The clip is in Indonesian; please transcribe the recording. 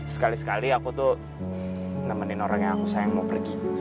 sekali sekali aku tuh nemenin orangnya aku sayang mau pergi